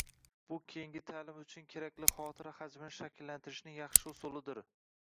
bu keyingi taʼlim uchun kerakli xotira hajmini shakllantirishning yaxshi usulidir.